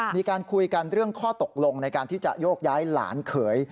มีการคุยกันเรื่องข้อตกลงในการที่จะโยกย้ายหลานเขย